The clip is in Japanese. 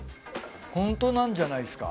ホントなんじゃないですか？